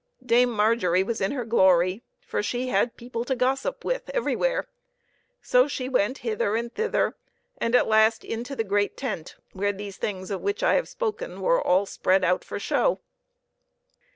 Dame Margery was in her glory, for she had people to gossip with everywhere ; so she went hither and thither, and at last into the great tent where these things of which I have spoken were all spread out for show.